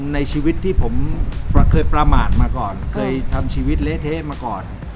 ในชีวิตที่ผมเคยประมาทมาก่อนเคยทำชีวิตเละเทะมาก่อน